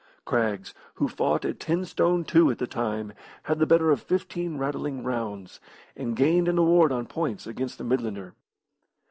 Craggs, who fought at ten stone two at the time, had the better of fifteen rattling rounds, and gained an award on points against the Midlander.